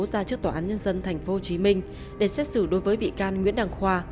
ra trước tòa án nhân dân tp hcm để xét xử đối với bị can nguyễn đăng khoa